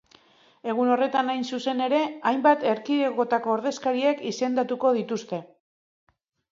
Egun horretan, hain zuzen ere, hainbat erkidegotako ordezkariak izendatuko dituzte.